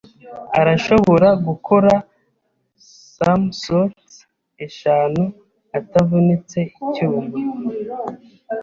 Arashobora gukora somersaults eshanu atavunitse icyuya.